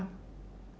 mas terus terang